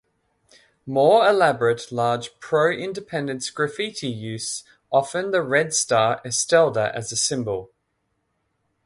More elaborate large pro-independence graffiti use often the red-star "Estelada" as a symbol.